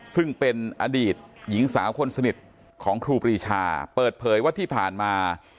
ซึ่งเป็นอดีตหญิงสาวคนสนิทของครูปรีชาเปิดเผยว่าที่ผ่านมา